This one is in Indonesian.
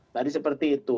tadi seperti itu